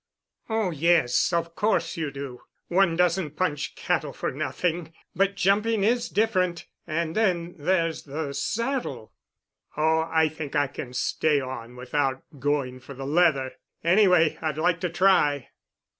"Oh, yes, of course you do. One doesn't punch cattle for nothing. But jumping is different—and then there's the saddle——" "Oh, I think I can stay on without going for the leather. Anyway, I'd like to try."